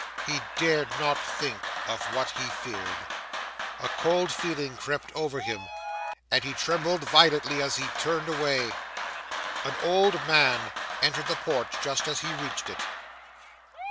He dared not think of what he feared. A cold feeling crept over him, and he trembled violently as he turned away. 'An old man entered the porch just as he reached it.